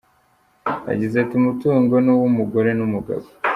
Yagize ati “Umutungo ni uw’umugore n’umugabo.